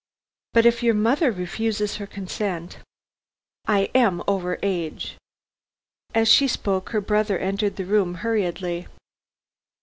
"But if your mother refuses her consent?" "I am over age." As she spoke her brother entered the room hurriedly.